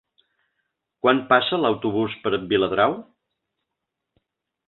Quan passa l'autobús per Viladrau?